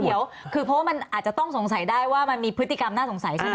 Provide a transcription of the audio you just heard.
เดี๋ยวคือเพราะว่ามันอาจจะต้องสงสัยได้ว่ามันมีพฤติกรรมน่าสงสัยใช่ไหม